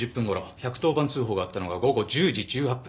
１１０番通報があったのは午後１０時１８分。